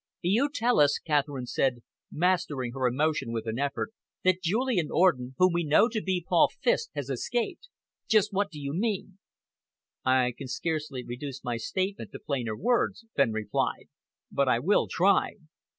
"You tell us," Catherine said, mastering her emotion with an effort, "that Julian Orden, whom we now know to be 'Paul Fiske', has escaped. Just what do you mean?" "I can scarcely reduce my statement to plainer words," Fenn replied, "but I will try.